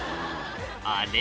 あれ？